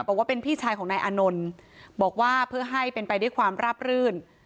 บอกว่าเป็นพี่ชายของนายอานนท์บอกว่าเพื่อให้เป็นไปด้วยความราบรื่น